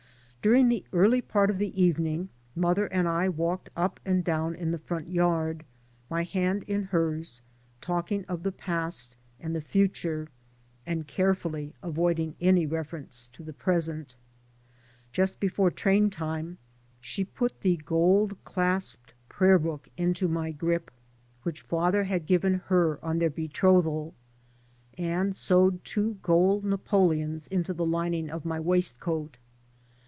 During the early part of the evening mother and I walked up and down in the front yard, my hand in hers, talking of the past and the future, and carefully avoiding any reference to the present. Just before train time she put the gold clasped prayer book into FAREWELL FOREVER my grip which father had given her on their betrothal, and sewed two gold napoleons into the lining of my waistcoat.